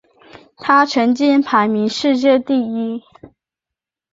他曾经排名世界第一位。